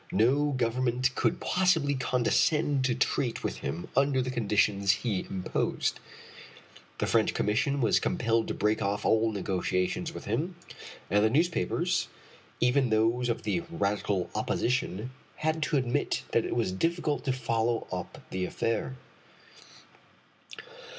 No government could possibly condescend to treat with him under the conditions he imposed. The French commission was compelled to break off all negotiations with him, and the newspapers, even those of the Radical Opposition, had to admit that it was difficult to follow up the affair.